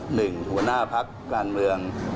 หนึ่งหัวหน้าภักดิ์การเมือง